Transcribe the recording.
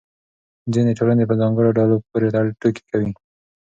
ځینې ټولنې په ځانګړو ډلو پورې ټوکې تړي.